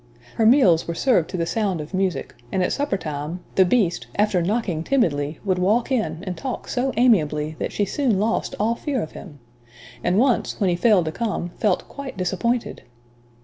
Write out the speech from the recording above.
_" Her meals were served to the sound of music; and at supper time, the Beast after knocking timidly, would walk in and talk so amiably, that she soon lost all fear of him; and once when he failed to come, felt quite disappointed!